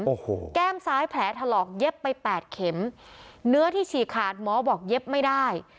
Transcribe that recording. โอ้โหแก้มซ้ายแผลถลอกเย็บไปแปดเข็มเนื้อที่ฉีกขาดหมอบอกเย็บไม่ได้